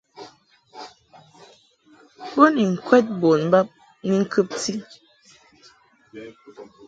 Bo ni ŋkwɛd bon bab ni ŋkɨbti.